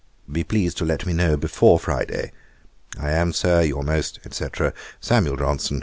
Be pleased to let me know before Friday. 'I am, Sir, 'Your most, &c., 'SAM. JOHNSON.